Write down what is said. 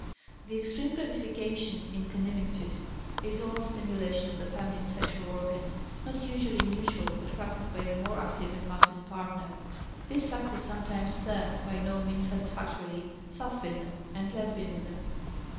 The extreme gratification is cunnilinctus, or oral stimulation of the feminine sexual organs, not usually mutual, but practised by the more active and masculine partner; this act is sometimes termed, by no means satisfactorily, "Sapphism," and "Lesbianism."